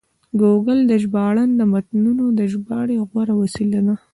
ګوګل ژباړن د متنونو د ژباړې غوره وسیله ده.